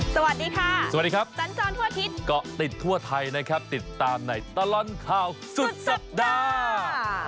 สวัสดีค่ะสวัสดีครับสัญจรทั่วอาทิตย์เกาะติดทั่วไทยนะครับติดตามในตลอดข่าวสุดสัปดาห์